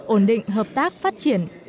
ổn định hợp tác phát triển